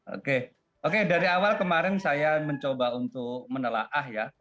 oke oke dari awal kemarin saya mencoba untuk menelaah ya